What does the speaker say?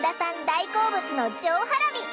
大好物の上ハラミ。